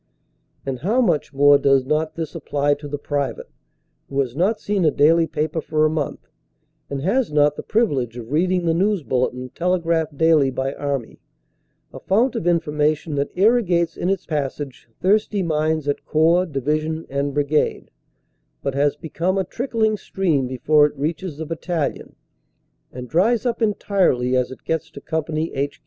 And how much more does not this apply to the private, who has not seen a daily paper for a month and has not the privilege of reading the news bulletin telegraphed dqily by Army a fount of information that irrigates in its pnssage thirsty minds at Corps, Division and Brigade; but has become CONFRONTING THE CANAL DU NORD 189 a trickling stream before it reaches the Battalion, and dries up entirely as it gets to Company H.